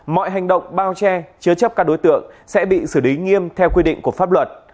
mọi hành động bao che chứa chấp các đối tượng sẽ bị xử lý nghiêm theo quy định của pháp luật